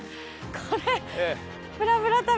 これ。